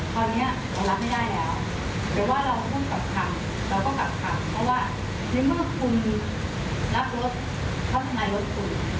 เพราะว่านึกเมื่อคุณรับรถเขาทำร้ายรถคุณ